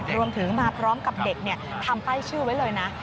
รวมถึงมาพร้อมกับเด็กทำป้ายชื่อไว้เลยนะ